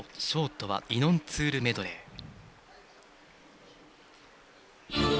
ショートは「イノン・ツゥールメドレー」。